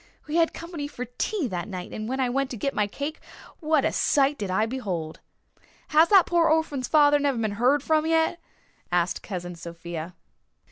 We had company for tea that night and when I went to get my cake what a sight did I behold!" "Has that pore orphan's father never been heerd from yet?" asked Cousin Sophia.